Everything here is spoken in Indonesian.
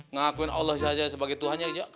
ngakuin allah saja sebagai tuhannya aja